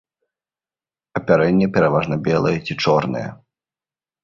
Апярэнне пераважна белае ці чорнае.